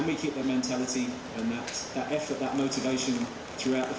bisa kita menjaga mentalitasnya dan usaha yang memotivasi kita selama empat perang